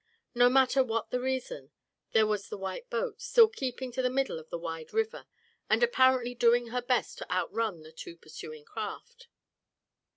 No matter what the reason, there was the white boat, still keeping to the middle of the wide river, and apparently doing her best to outrun the two pursuing craft.